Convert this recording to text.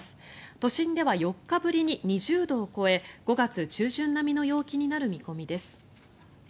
都心では４日ぶりに２０度を超え５月中旬並みの陽気になる見込みです。